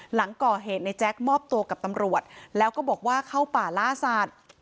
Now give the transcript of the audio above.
หลังก่อเหตุในแจ๊คมอบตัวกับตำรวจแล้วก็บอกว่าเข้าป่าล่าสัตว์